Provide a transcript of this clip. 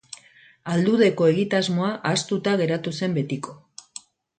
Aldudeko egitasmoa ahaztuta geratu zen betiko.